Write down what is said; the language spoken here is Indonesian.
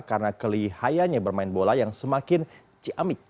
karena kelihayanya bermain bola yang semakin ciamik